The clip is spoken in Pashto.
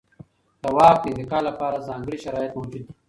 د واک د انتقال لپاره ځانګړي شرایط موجود دي.